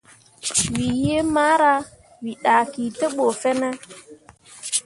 Wǝ yiimara, wǝ dahki te ɓu fine.